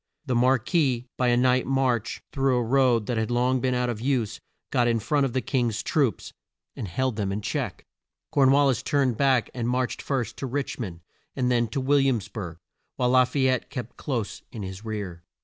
The Mar quis, by a night march through a road that had long been out of use, got in front of the King's troops, and held them in check. Corn wal lis turned back, and marched first to Rich mond, and then to Will iams burg, while La fay ette kept close in his rear.